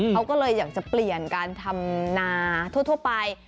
เขาก็เลยอยากจะเปลี่ยนการทำนาทั่วไป